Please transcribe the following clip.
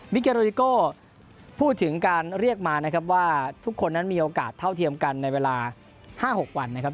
เกโรดิโก้พูดถึงการเรียกมานะครับว่าทุกคนนั้นมีโอกาสเท่าเทียมกันในเวลา๕๖วันนะครับ